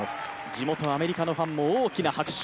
地元アメリカのファンも大きな拍手。